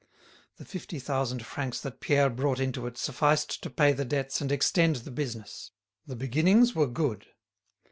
The fifty thousand francs that Pierre brought into it sufficed to pay the debts and extend the business. The beginnings were good.